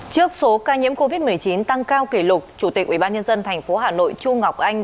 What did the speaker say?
trước số ca nhiễm covid một mươi chín tăng cao kỷ lục chủ tịch ubnd tp hà nội chu ngọc anh